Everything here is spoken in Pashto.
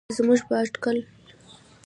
زموږ په اټکل شل میله فاصله درلوده.